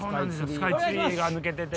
スカイツリーが抜けてて。